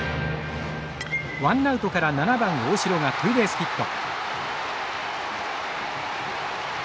ワンナウトから７番大城がツーベースヒット。